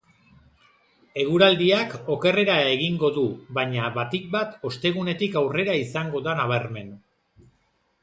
Eguraldiak okerrera egingo du, baina batik bat ostegunetik aurrera izango da nabarmen.